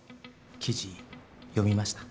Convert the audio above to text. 記事読みました？